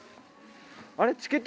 あれチケット